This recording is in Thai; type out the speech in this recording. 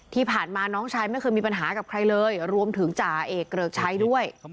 ที่ผ่านมาน้องชายไม่เคยมีปัญหากับใครเลยรวมถึงจ่าเอกเกริกชัยด้วย